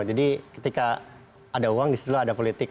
jadi ketika ada uang di situ ada politik